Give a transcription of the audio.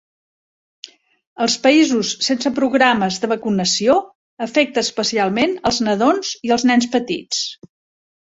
Als països sense programes de vacunació afecta especialment als nadons i als nens petits.